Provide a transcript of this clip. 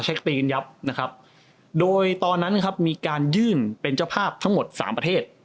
คดีกันยับนะครับโดยตอนนั้นครับมีการยื่นเป็นเจ้าภาพทั้งหมดสามประเทศ